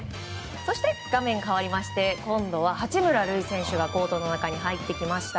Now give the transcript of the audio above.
そして、画面変わりまして今度は八村塁選手がコートの中に入ってきました。